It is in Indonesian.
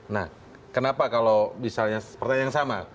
nah kenapa kalau misalnya pertanyaan yang sama